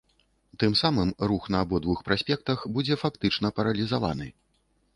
Тым самым рух на абодвух праспектах будзе фактычна паралізаваны.